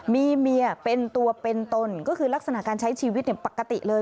มีเมียเป็นตัวเป็นตนก็คือลักษณะการใช้ชีวิตปกติเลย